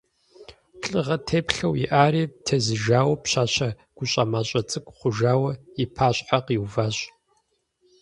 Лӏыгъэ теплъэу иӏари тезыжауэ пщащэ гуащӏэмащӏэ цӏыкӏу хъужауэ и пащхьэ къиуващ.